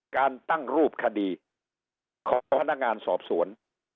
การตั้งรูปคดีของพนักงานสอบสวน